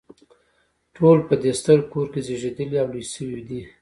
ټول په دې ستر کور کې زیږیدلي او لوی شوي دي.